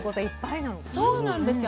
そうなんですよ。